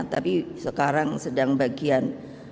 tapi sekarang sedang bagian